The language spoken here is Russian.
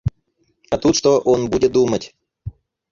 А тут что он будет думать?